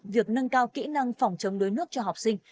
việc nâng cao kỹ năng phòng chống đuối nước cho học sinh